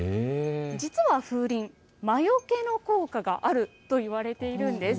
実は風鈴、魔よけの効果があるといわれているんです。